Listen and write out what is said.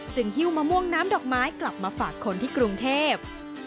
หิ้วมะม่วงน้ำดอกไม้กลับมาฝากคนที่กรุงเทพ